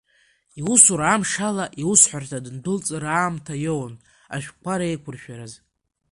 Иусура амшала иусҳәарҭа дындәылҵыр, аамҭа иоуан ашәҟәқәа реиқәыршәараз.